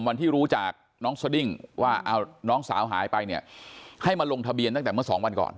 วันที่รู้จากน้องสดิ้งว่าเอาน้องสาวหายไปเนี่ยให้มาลงทะเบียนตั้งแต่เมื่อสองวันก่อน